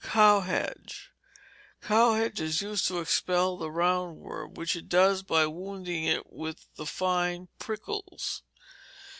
Cowhage Cowhage is used to expel the round worm, which it does by wounding it with the fine prickles.